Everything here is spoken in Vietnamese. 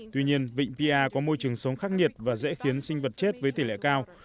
tuy nhiên vịnh pia có môi trường sống khắc nghiệt và dễ khiến sinh vật chết với tỷ lệ cao